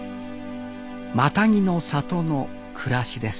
マタギの里の暮らしです